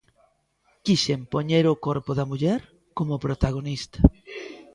Quixen poñer o corpo da muller como protagonista.